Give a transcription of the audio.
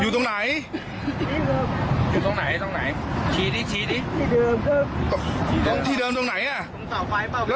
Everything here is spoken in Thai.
ทำไมเขาทำอะไร